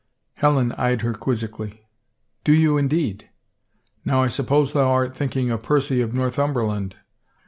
Helen eyed her quizzically. " Do you, indeed ?... Now I suppose thou art thinking of Percy of Northum berland.